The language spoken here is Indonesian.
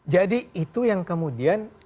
jadi itu yang kemudian